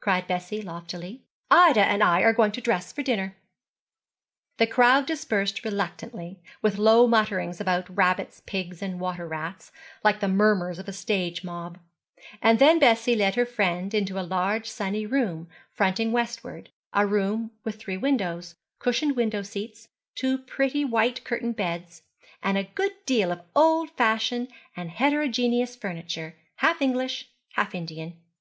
cried Bessie, loftily. 'Ida and I are going to dress for dinner.' The crowd dispersed reluctantly, with low mutterings about rabbits, pigs, and water rats, like the murmurs of a stage mob; and then Bessie led her friend into a large sunny room fronting westward, a room with three windows, cushioned window seats, two pretty white curtained beds, and a good deal of old fashioned and heterogeneous furniture, half English, half Indian.